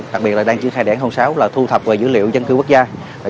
đặc biệt là đang triển khai đề án sáu là thu thập về dữ liệu dân cư quốc gia